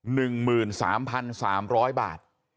หนึ่งหมื่นสามพันสามร้อยบาท